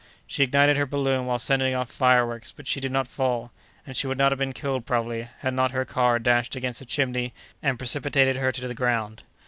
She ignited her balloon while sending off fireworks, but she did not fall, and she would not have been killed, probably, had not her car dashed against a chimney and precipitated her to the ground."